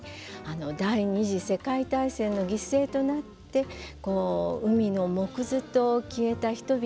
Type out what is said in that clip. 第２次世界大戦の犠牲となって海の藻屑と消えた人々が